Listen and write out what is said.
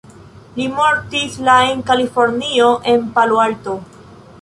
Li mortis la en Kalifornio en Palo Alto.